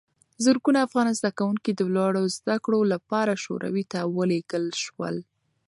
زرګونه افغان زدکوونکي د لوړو زده کړو لپاره شوروي ته ولېږل شول.